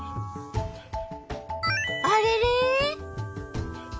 あれれ？